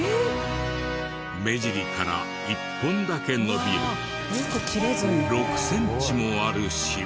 目尻から１本だけ伸びる６センチもある白い毛。